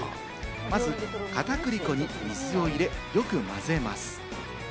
まず片栗粉に水を入れ、よく混ぜます。